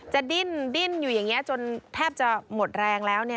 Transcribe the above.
จะดิ้นอยู่อย่างนี้จนแทบจะหมดแรงแล้ว